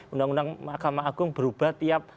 undang undang mahkamah agung berubah tiap